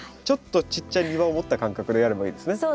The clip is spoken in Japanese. ちょっとちっちゃい庭を持った感覚でやればいいですね。